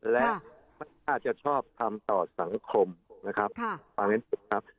และไม่น่าจะชอบทำต่อสังคมนะครับค่ะฟังไว้ดูครับ